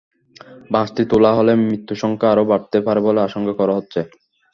বাসটি তোলা হলে মৃতের সংখ্যা আরও বাড়তে পারে বলে আশঙ্কা করা হচ্ছে।